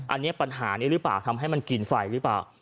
อันนี้ปัญหานี้หรือเปล่าทำให้มันกินไฟหรือเปล่า